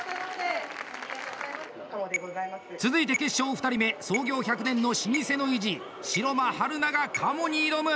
続いて、決勝２人目創業１００年の老舗の意地城間春菜が鴨に挑む！